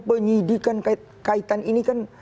penyidikan kaitan ini kan